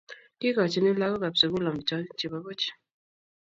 Kikochini lagokab sukul amitwogik chebo buch